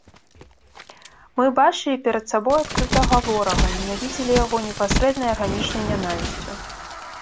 Мы бачылі перад сабой адкрытага ворага, ненавідзелі яго непасрэднай арганічнай нянавісцю.